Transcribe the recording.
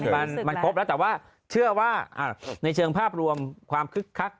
มันครบแล้วแต่ว่าเชื่อว่าในเชิงภาพรวมความคึกคัก